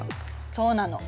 そうなの。